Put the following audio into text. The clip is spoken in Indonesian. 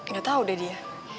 gak tau deh dia